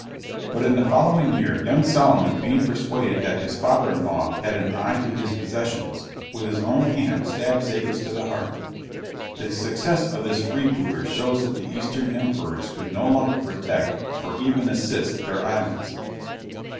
But in the following year, young Soliman being persuaded that his father in law had an eye to his possessions, with his own hand stabbed Zachas to the heart. The success of this freebooter shows that the Eastern emperors could no longer protect, or even assist, their islands.